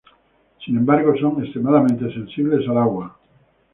Sin embargo son extremadamente sensibles al agua.